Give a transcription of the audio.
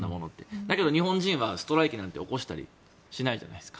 だけど、日本人はストライキとか起こしたりしないじゃないですか。